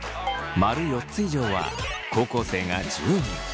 ○４つ以上は高校生が１０人。